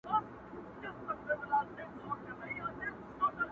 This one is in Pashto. خاموسي تر ټولو درنه پاتې وي,